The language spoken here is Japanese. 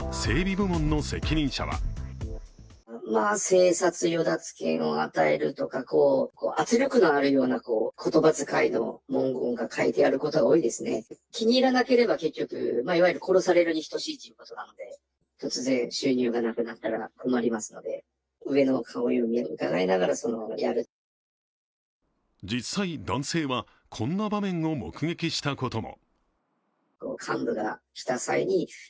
部門の責任者は実際、男性はこんな場面を目撃したことも。